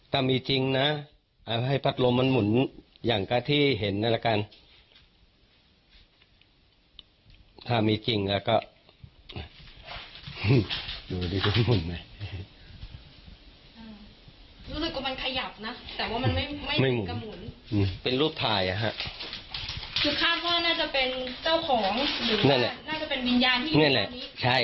ถ้ามีจริงนะให้พัดลมมันหมุนอย่างกับที่เห็นนั่นแหละกัน